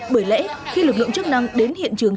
bởi lẽ khi lực lượng chức năng đến hiện trường